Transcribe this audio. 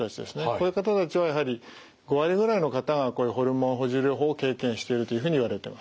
こういう方たちはやはり５割ぐらいの方がこういうホルモン補充療法を経験しているというふうにいわれてます。